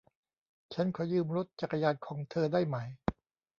ฉันขอยืมรถจักรยานของเธอได้ไหม